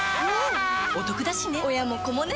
おトクだしね